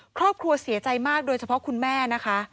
ครอบครัวเสียใจมากโดยเฉพาะคุณแม่นะคะ